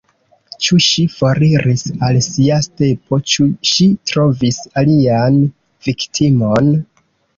Ĉu ŝi foriris al sia stepo, ĉu ŝi trovis alian viktimon?